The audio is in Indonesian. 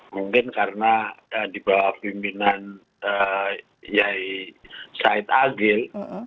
mungkin karena di bawah pimpinan yair syahid agil